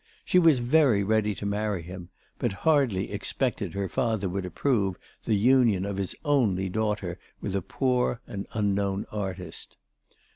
She was very ready to marry him, but hardly expected her father would approve the union of his only daughter with a poor and unknown artist.